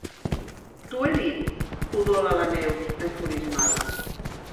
T'ho he dit! —udola la Neus, enfurismada.